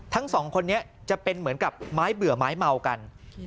ทั้งสองคนนี้จะเป็นเหมือนกับไม้เบื่อไม้เมากัน